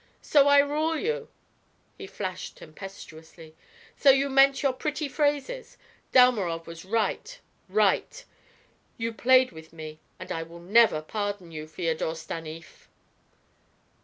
"So I rule you!" he flashed tempestuously. "So you meant your pretty phrases! Dalmorov was right, right. You played with me, and I will never pardon you, Feodor Stanief."